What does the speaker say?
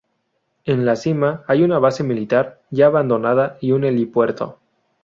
En la cima hay una base militar ya abandonada y un helipuerto.